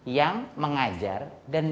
yang mengajar dan